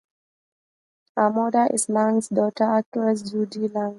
Her mother is Lang's daughter, actress Judy Lang.